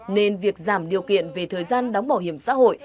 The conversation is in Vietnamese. nên việc giảm điều kiện về thời gian đóng bảo hiểm xã hội